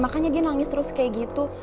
makanya dia nangis terus kayak gitu